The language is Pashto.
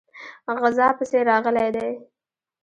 غزا پسې راغلی دی.